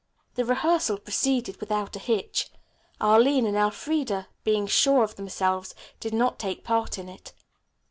The rehearsal proceeded without a hitch. Arline and Elfreda, being sure of themselves, did not take part in it.